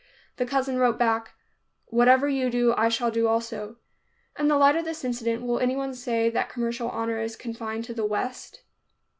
The cousin wrote back, "Whatever you do, I shall do also." In the light of this incident, will anyone say that commercial honor is confined to the West?